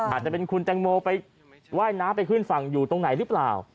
อาจจะเป็นคุณแตงโมไปว่ายน้ำไปขึ้นฝั่งอยู่ตรงไหนหรือเปล่า